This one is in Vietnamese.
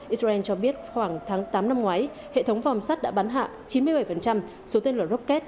israel cho biết khoảng tháng tám năm ngoái hệ thống vòm sắt đã bắn hạ chín mươi bảy số tên lửa rocket